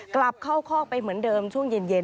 กลับเข้าคอกไปเหมือนเดิมช่วงเย็น